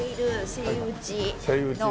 セイウチね。